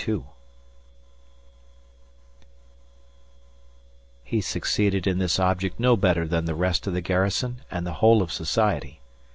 II He succeeded in this object no better than the rest of the garrison and the whole of society.